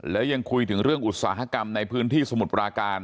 แล้วยังคุยถึงเรื่องอุตสาหกรรมในพื้นที่สมุทรปราการ